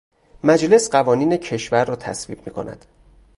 مجلس قوانین کشور را تصویب میکند